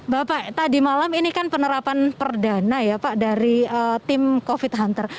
bapak tadi malam ini kan penerapan perdana ya pak dari tim covid hunter